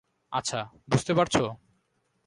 আচ্ছা, বুঝতে পারছো?